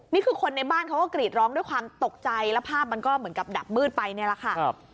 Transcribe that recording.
นี่คือคนในบ้านเขาก็กรีดร้องด้วยความตกใจแล้วภาพมันก็เหมือนกับดับมืดไปนี่แหละค่ะ